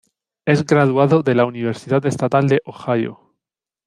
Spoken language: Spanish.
Es graduado de la Universidad Estatal de Ohio.